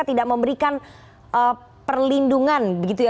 tidak memberikan perlindungan begitu ya